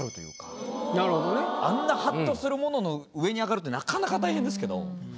あんなハッとするものの上に上がるってなかなか大変ですけど。